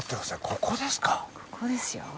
ここですよ。